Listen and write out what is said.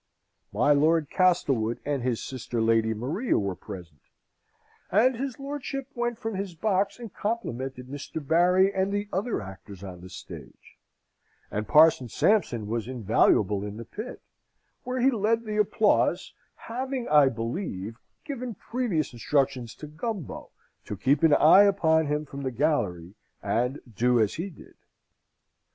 My Lord Castlewood and his sister, Lady Maria, were present; and his lordship went from his box and complimented Mr. Barry and the other actors on the stage; and Parson Sampson was invaluable in the pit, where he led the applause, having, I believe, given previous instructions to Gumbo to keep an eye upon him from the gallery, and do as he did.